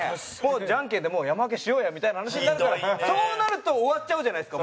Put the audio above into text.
ジャンケンでもう山分けしようやみたいな話になるからそうなると終わっちゃうじゃないですか。